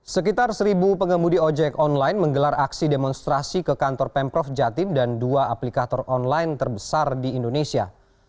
sekitar seribu pengemudi ojek online menggelar aksi demonstrasi ke kantor pemprov jatim dan dua aplikator online terbesar di indonesia